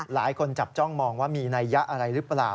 หลายคนจับจ้องมองว่ามีนัยยะอะไรหรือเปล่า